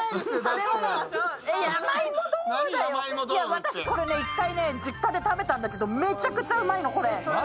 私これね、一回実家で食べたんだけど、めちゃくちゃうまいの、これ。